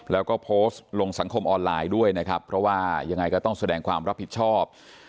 แล้วก็โพสต์ลงสังคมออนไลน์ด้วยนะครับเพราะว่ายังไงก็ต้องแสดงความรับผิดชอบ